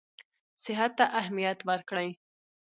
صحت ته اهمیت ورکړي.